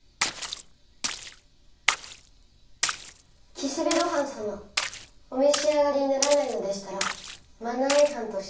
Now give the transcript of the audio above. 岸辺露伴様お召し上がりにならないのでしたらマナー違反として。